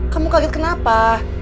kamu kaget kenapa